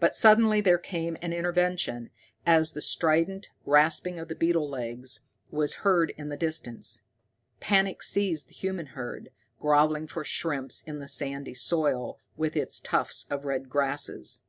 But suddenly there came an intervention as the strident rasping of beetle legs was heard in the distance. Panic seized the human herd, grovelling for shrimps in the sandy soil with its tufts of red grasses.